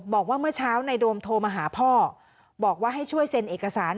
บอกว่าเมื่อเช้าในโดมโทรมาหาพ่อบอกว่าให้ช่วยเซ็นเอกสาร